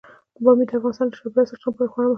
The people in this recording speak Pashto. پامیر د افغانستان د چاپیریال ساتنې لپاره خورا مهم دی.